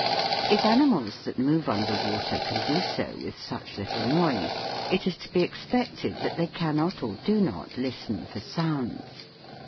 If animals that move under water can do so with such little noise, it is to be expected that they cannot or do not listen for sounds.